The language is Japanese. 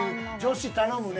女子頼むね。